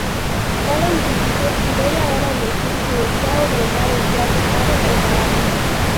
Cada individuo debe ahora elegir si desea ordenar el plato caro o barato.